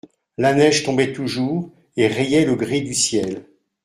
La neige tombait toujours et rayait le gris du ciel.